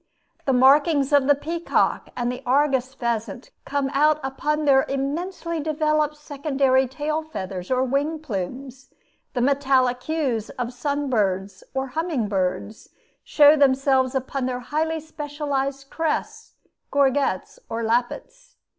The markings of the peacock and the argus pheasant come out upon their immensely developed secondary tail feathers or wing plumes; the metallic hues of sun birds, or humming birds, show themselves upon their highly specialized crests, gorgets, or lappets.